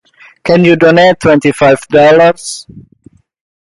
Can you donate twenty-five dollars?